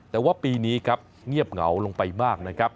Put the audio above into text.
แต่ว่าปีนี้เงียบเหงาลงไปมาก